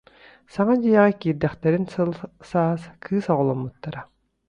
саҥа дьиэҕэ киирдэхтэрин сыл саас кыыс оҕоломмуттара